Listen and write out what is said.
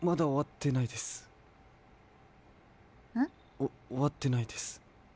おっおわってないです。